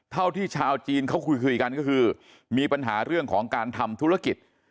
เท่าที่ชาวจีนเขาคุยกันก็คือมีปัญหาเรื่องของการทำธุรกิจ